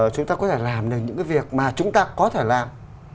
chúng ta có thể làm được những cái việc mà chúng ta có thể làm